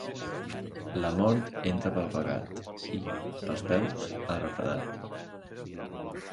La mort entra pel pecat i, pels peus, el refredat.